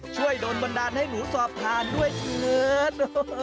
ช่วยโดนบันดาลให้หนูสอบภาคด้วยเหนือด